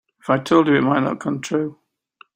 If I told you it might not come true.